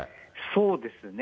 そうですね。